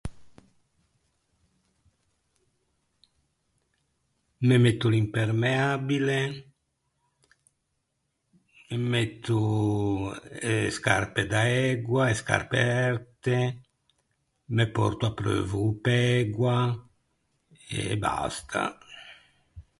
Me metto l’impermeabile, me metto e scarpe da ægua, e scarpe erte, me pòrto apreuvo o pægua, e basta.